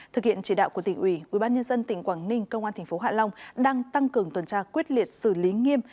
thực hiện chỉ đạo của tỉnh ủy ubnd tỉnh quảng ninh công an tp hạ long đang tăng cường tuần tra quyết liệt xử lý nghiêm